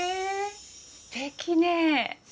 すてきねぇ。